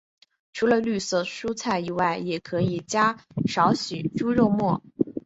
除了绿色蔬菜以外也可以加少许猪肉末。